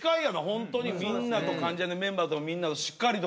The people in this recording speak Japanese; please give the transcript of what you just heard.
ホントにみんなと関ジャニメンバーとみんなしっかりと。